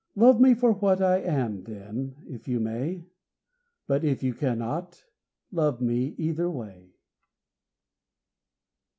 Love me for what I am, then, if you may; But, if you cannot, love me either way.